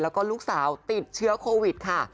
แล้วก็ลูกสาวติดเชื้อโควิดค่ะ